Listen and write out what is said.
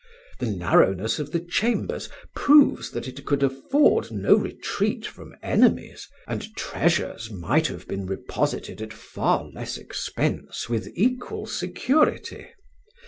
The narrowness of the chambers proves that it could afford no retreat from enemies, and treasures might have been reposited at far less expense with equal security.